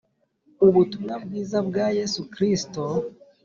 ubutumwa bwiza bwa yesu kristo